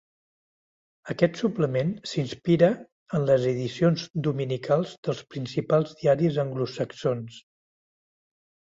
Aquest suplement s'inspira en les edicions dominicals dels principals diaris anglosaxons.